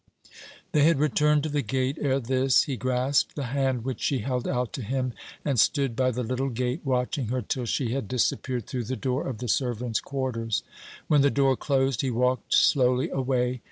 They had returned to the gate ere this. He grasped the hand which she held out to him, and stood by the little gate watching her till she had disappeared through the door of the servants' quarters. When the door closed, he walked slowly away.